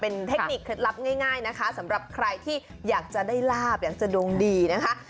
เป็นเทคนิคเคล็ดลับง่ายนะคะสำหรับใครที่อยากจะได้ลาบอยากจะดวงดีนะคะ